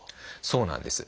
そうなんです。